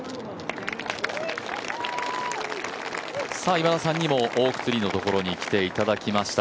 今田さんにもオークツリーのところに来ていただきました。